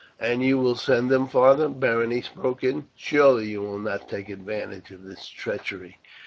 "And you will send them, father?" Berenice broke in; "surely you will not take advantage of this treachery."